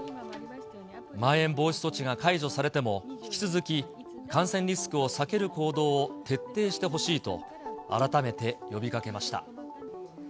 まん延防止措置が解除されても、引き続き、感染リスクを避ける行動を徹底してほしいと、改めて呼びかけました。